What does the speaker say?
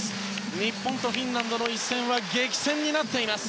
日本とフィンランドの一戦は激戦になっています。